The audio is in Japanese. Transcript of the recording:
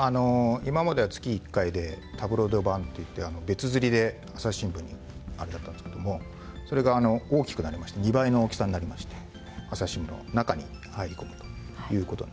今までは月１回でタブロイド版っていって別刷りで『朝日新聞』にあれだったんですけどもそれが大きくなりまして２倍の大きさになりまして『朝日新聞』の中に入り込むという事になりました。